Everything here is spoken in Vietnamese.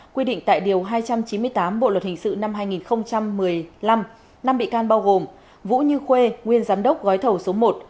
quy định tại điều hai trăm chín mươi tám bộ luật hình sự năm hai nghìn một mươi năm năm bị can bao gồm vũ như khuê nguyên giám đốc gói thầu số một